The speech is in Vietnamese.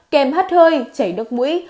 kèm hắt hơi chảy nước mũi